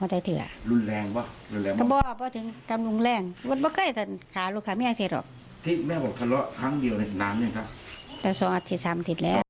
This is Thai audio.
ตั้งแต่สองอาทิตย์สามอาทิตย์แล้ว